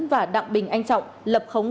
và đặng bình anh trọng lập khống